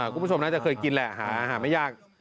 คุณผู้ชมน่าจะเคยกินแหละหาไม่ยาก